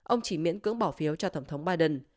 ông chỉ miễn cưỡng bỏ phiếu cho tổng thống biden